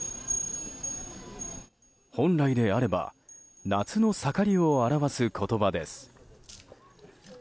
本来であれば夏の盛りを表す言葉です。